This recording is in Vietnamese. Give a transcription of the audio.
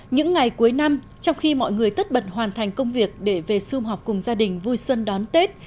những ngày cuối năm trong khi mọi người tất bật hoàn thành công việc để về xung họp cùng gia đình vui xuân đón tết